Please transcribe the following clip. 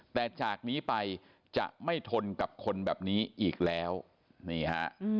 แต่จากนี้ไปจะไม่ทนกับคนแบบนี้อีกแล้วนี่ฮะ